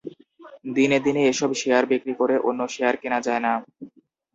দিনে দিনে এসব শেয়ার বিক্রি করে অন্য শেয়ার কেনা যায় না।